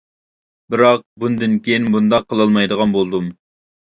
بىراق بۇندىن كىيىن بۇنداق قىلالمايدىغان بولدۇم.